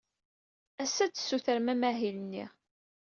Ass-a, ad tessutrem amahil-nni.